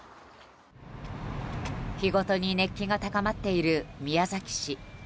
日ごとに熱気が高まっている宮崎市。